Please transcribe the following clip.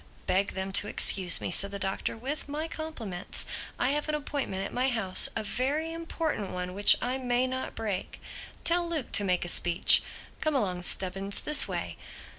"Beg them to excuse me," said the Doctor—"with my compliments. I have an appointment at my house—a very important one which I may not break. Tell Luke to make a speech. Come along, Stubbins, this way."